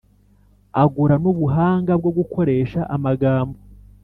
agura n’ubuhanga bwo gukoresha amagambo.